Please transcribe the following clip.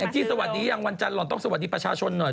แล้วที่สวัสดียังบ้างวันจันทร์ลอนต้องสวัสดีประชาชนหน่อย